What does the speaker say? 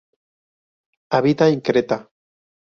Habita en Creta.